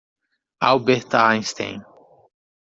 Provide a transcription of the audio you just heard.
Albert Einstein.